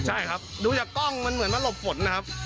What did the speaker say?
ใช่ครับดูจากกล้องมันเหมือนมาหลบฝนนะครับ